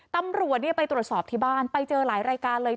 ตำรวจไปตรวจสอบที่บ้านไปเจอหลายรายการเลย